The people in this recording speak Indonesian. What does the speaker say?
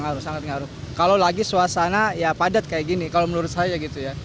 ngaruh sangat ngaruh kalau lagi suasana ya padat kayak gini kalau menurut saya gitu ya